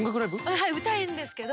はい歌うんですけど。